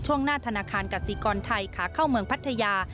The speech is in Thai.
หน้าธนาคารกสิกรไทยขาเข้าเมืองพัทยา